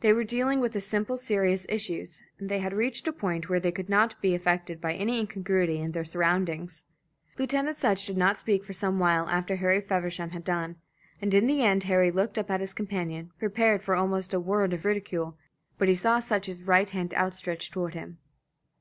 They were dealing with the simple serious issues, and they had reached a point where they could not be affected by any incongruity in their surroundings. Lieutenant Sutch did not speak for some while after Harry Feversham had done, and in the end Harry looked up at his companion, prepared for almost a word of ridicule; but he saw Sutch's right hand outstretched towards him.